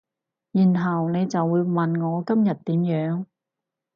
然後你就會問我今日點樣